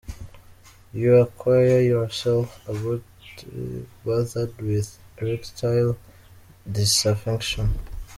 you acquire your self abruptly bothered with erectile dysfunction.